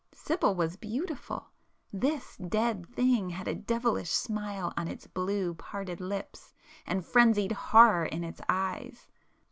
Sibyl was beautiful,—this dead thing had a devilish smile on its blue, parted lips, and frenzied horror in its eyes!